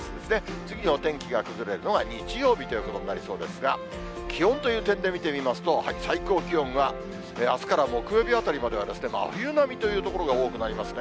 次にお天気が崩れるのは日曜日ということになりそうですが、気温という点で見てみますと、最高気温が、あすから木曜日あたりまでは真冬並みという所が多くなりますね。